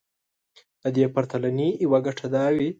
د دې پرتلنې يوه ګټه دا وي.